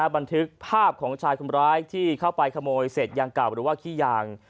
บันทึกภาพของชายคนร้ายที่เข้าไปขโมยเศษยางเก่าหรือว่าขี้ยาง